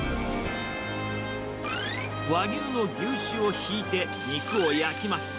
和牛の牛脂を引いて肉を焼きます。